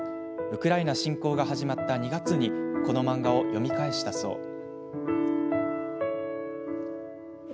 ウクライナ侵攻が始まった２月にこの漫画を読み返したそう。